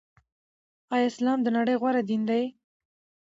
آيا اسلام دنړۍ غوره دين دې